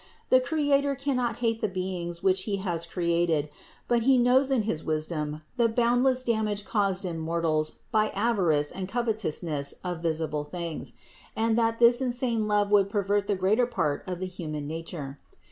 The Cre ator cannot hate the beings which He has created; but He knows in his wisdom the boundless damage caused in mortals by avarice and covetousness of visible things ; and that this insane love would pervert the greater part of the human nature.